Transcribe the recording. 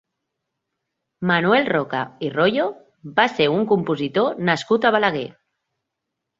Manuel Roca i Royo va ser un compositor nascut a Balaguer.